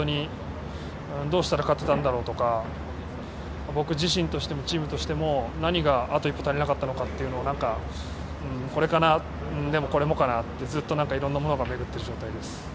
どうしたら勝てたんだろうとか、僕自身としてもチームとしても何があと一歩足りなかったのかというのは何かこれかな、でもこれもかなってずっといろんなものが巡ってる状態です。